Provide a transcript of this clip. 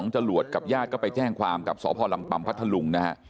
จรวดกับญาติก็ไปแจ้งความกับสพลำปัมพัทธลุงนะฮะ